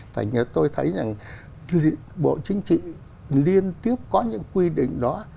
tại vì tôi thấy rằng bộ chính trị liên tiếp có những quy định đó